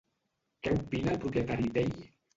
Què opina el propietari d'ell?